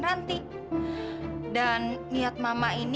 ada masalah process meetings